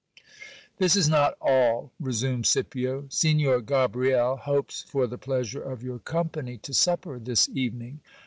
This is not all, resumed Scipio : Signor Gabriel hopes for the pleasure of your company to supper this evening.